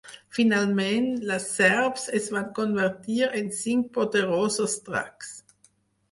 Finalment, les serps es van convertir en cinc poderosos dracs.